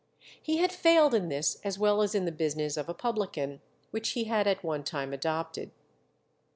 He had failed in this as well as in the business of a publican, which he had at one time adopted.